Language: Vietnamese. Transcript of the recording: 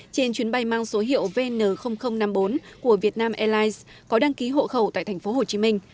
trên chuyến bay mang số hiệu vn năm mươi bốn của việt nam airlines có đăng ký hộ khẩu tại thành phố hồ chí minh